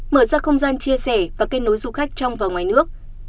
mở ra không gian chia sẻ và kết nối du khách trong và ngoài nước